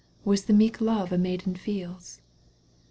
— Was the meek love a maiden feels.